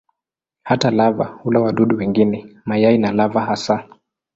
Hata lava hula wadudu wengine, mayai na lava hasa.